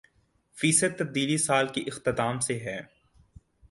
فیصد تبدیلی سال کے اختتام سے ہے